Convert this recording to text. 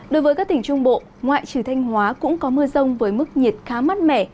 đối với các tỉnh trung bộ ngoại trừ thanh hóa cũng có mưa rông với mức nhiệt khá mát mẻ